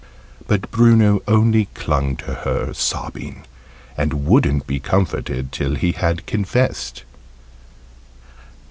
But Bruno only clung to her, sobbing, and wouldn't be comforted till he had confessed.